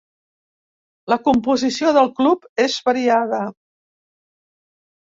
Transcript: La composició del club és variada.